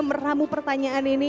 meramu pertanyaan ini